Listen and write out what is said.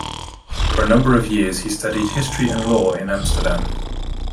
For a number of years he studied History and Law in Amsterdam.